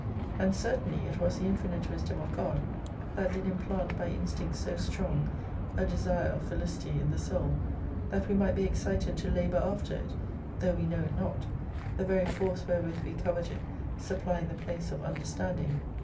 And certainly it was the infinite wisdom of God that did implant by instinct so strong a desire of Felicity in the Soul, that we might be excited to labour after it, though we know it not, the very force wherewith we covet it supplying the place of understanding.